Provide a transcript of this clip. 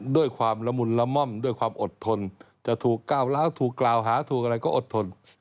ด้วยความละมุนละม่อมด้วยความอดทนจะถูกก้าวร้าวถูกกล่าวหาถูกอะไรก็อดทน